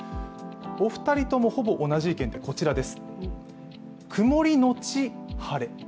お二人とも、ほぼ同じ意見で、こちらです。